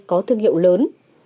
có thương hiệu lớn